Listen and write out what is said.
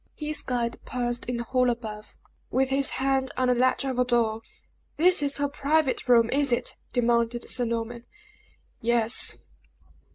His guide paused in the hall above, with his hand on the latch of a door. "This is her private room, is it!" demanded Sir Norman. "Yes."